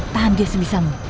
tahan dia sebisa mu